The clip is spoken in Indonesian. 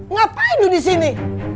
ngapain lu disini